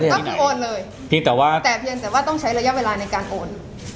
ก็มีโอนเลยแต่ว่าต้องใช้ระยะเวลาในการโอน